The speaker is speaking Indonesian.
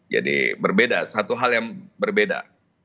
jadi berbeda satu hal yang berbeda